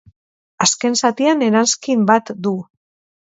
Azken zatian, eranskin bat du.